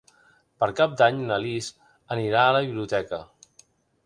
Per Cap d'Any na Lis anirà a la biblioteca.